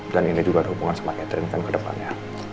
dan ini juga ada hubungan sama catherine kan kedepannya